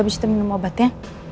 habis itu minum obat ya